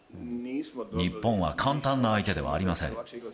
日本は簡単な相手ではありません。